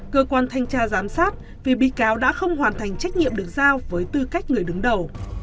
cơ quan thanh tra giám sát vì bị cáo đã không hoàn thành trách nhiệm được giao với tư cách người đứng đầu